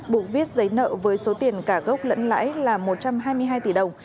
buộc viết giấy nợ với số tiền cả gốc lẫn lãi là một trăm hai mươi hai tỷ đồng